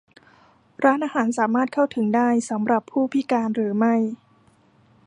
ร้านอาหารสามารถเข้าถึงได้สำหรับผู้พิการหรือไม่ ?